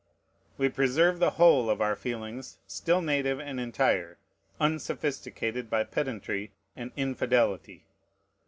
We preserve the whole of our feelings still native and entire, unsophisticated by pedantry and infidelity.